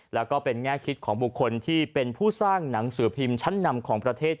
แล้วก็เป็นแง่คิดของบุคคลที่เป็นผู้สร้างหนังสือพิมพ์ชั้นนำของประเทศ